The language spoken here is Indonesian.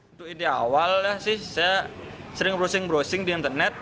untuk ide awal ya sih saya sering browsing browsing di internet